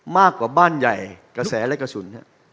มากกว่าบ้านใหญ่กระแสและกระสุน